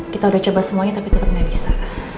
kita udah coba semuanya tapi tetep gak bisa